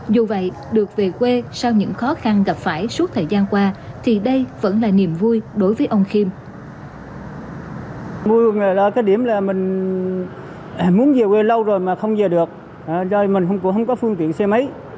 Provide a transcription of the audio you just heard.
dù vậy được về quê sau những khó khăn gặp phải suốt thời gian qua thì đây vẫn là niềm vui đối với ông khiêm